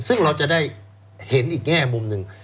ซึ่งเราจะได้เห็นอีกแง่มุมหนึ่ง